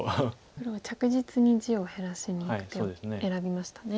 黒は着実に地を減らしにいく手を選びましたね。